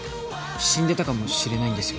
死んでたかもしれないんですよ？